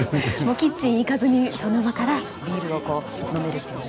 キッチンに行かずにその場からビールを飲めるという。